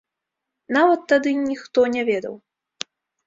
Нават тады ніхто не ведаў.